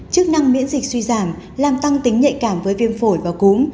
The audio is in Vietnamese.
chức năng miễn dịch suy giảm làm tăng tính nhạy cảm với viêm phổi và cúm